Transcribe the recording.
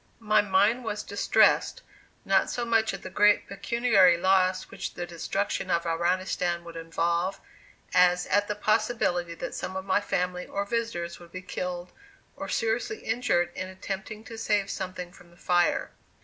My mind was distressed, not so much at the great pecuniary loss which the destruction of Iranistan would involve as at the possibility that some of my family or visitors would be killed or seriously injured in attempting to save something from the fire.